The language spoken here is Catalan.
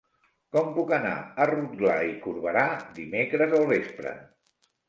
Com puc anar a Rotglà i Corberà dimecres al vespre?